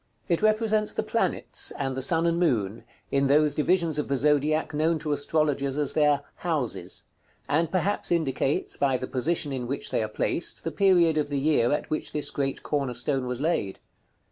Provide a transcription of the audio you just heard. It represents the planets, and the sun and moon, in those divisions of the zodiac known to astrologers as their "houses;" and perhaps indicates, by the position in which they are placed, the period of the year at which this great corner stone was laid.